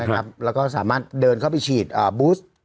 แล้วก็สามารถเดินเข้าไปฉีดบูส